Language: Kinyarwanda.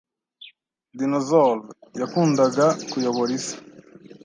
Dinosaurs yakundaga kuyobora isi.